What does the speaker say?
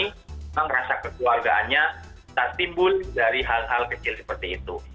memang rasa kekeluargaannya tertimbun dari hal hal kecil seperti itu